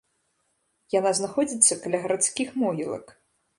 Яна знаходзіцца каля гарадскіх могілак.